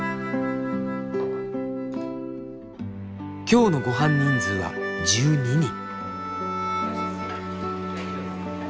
今日のごはん人数は１２人。